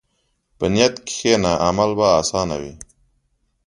په نیت کښېنه، عمل به اسانه وي.